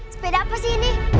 sepeda apa sih ini